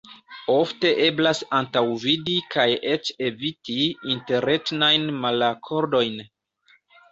Ofte eblas antaŭvidi kaj eĉ eviti interetnajn malakordojn.